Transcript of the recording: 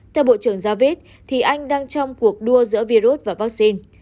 theo bộ trưởng javid thì anh đang trong cuộc đua giữa virus và vaccine